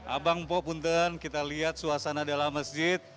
abang po punten kita lihat suasana dalam masjid